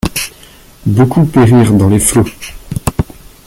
Beaucoup périrent dans les flots.